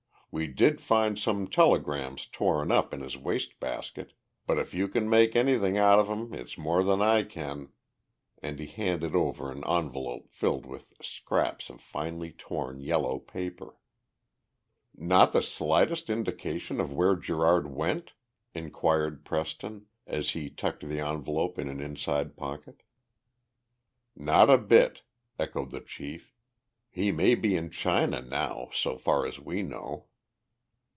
We did find some telegrams torn up in his waste basket, but if you can make anything out of 'em it's more than I can," and he handed over an envelope filled with scraps of finely torn yellow paper. "Not the slightest indication of where Gerard went?" inquired Preston as he tucked the envelope in an inside pocket. "Not a bit," echoed the chief. "He may be in China now, so far as we know."